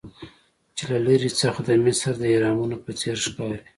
چې له لرې څخه د مصر د اهرامونو په څیر ښکاري.